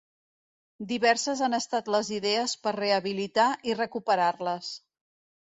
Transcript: Diverses han estat les idees per rehabilitar i recuperar-les.